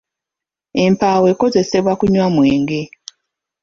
Empaawo ekozesebwa kunywa mwenge.